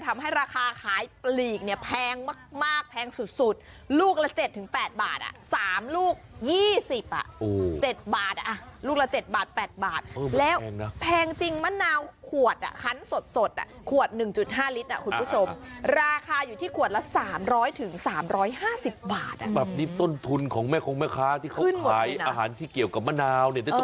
ล่าสุดมะนาวเบอร์๓กระสอบละ๒๒๐๐บาท